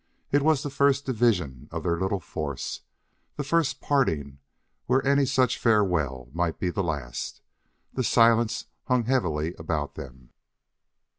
It was the first division of their little force, the first parting where any such farewell might be the last. The silence hung heavily about them.